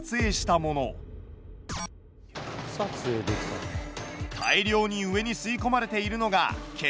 これは大量に上に吸い込まれているのが血液。